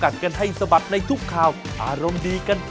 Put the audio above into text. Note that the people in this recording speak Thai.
สวัสดีค่ะ